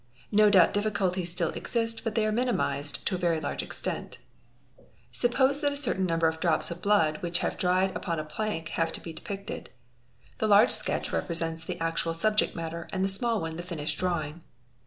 No doubt difficulties still exist but they are minimised to a very large extent. fityhy Suppose that a certain number of drops of blood which have dried —| upon a plank have to be depicted. ALi Bi El D x The large sketch represents the T He er 4 4 y: actual subject matter and the O small one the finished drawing.